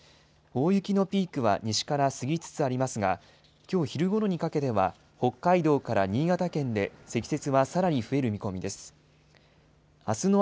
大雪のピークは西から過ぎつつありますが、きょう昼ごろにかけては、北海道から新潟県で積雪はさらに増える見込みです。